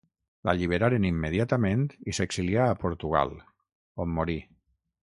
L'alliberaren immediatament i s'exilià a Portugal, on morí.